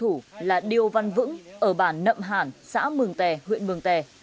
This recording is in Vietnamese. cơ quan điều tra hôn thủ là điêu văn vững ở bản nậm hản xã mường tè huyện mường tè